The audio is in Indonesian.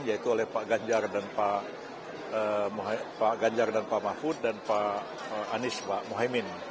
yaitu oleh pak ganjar dan pak ganjar dan pak mahfud dan pak anies pak mohaimin